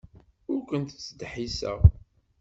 Ur ken-ttdeḥḥiseɣ.